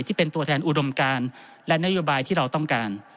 ที่เป็นตัวแทนอุดมการและนโยบายที่เราต้องการ